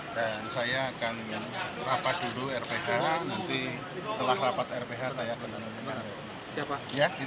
dan saya akan rapat dulu rph nanti setelah rapat rph saya akan menemukan